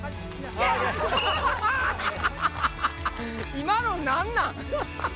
今の何なん？